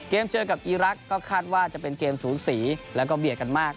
เจอกับอีรักษ์ก็คาดว่าจะเป็นเกมสูสีแล้วก็เบียดกันมาก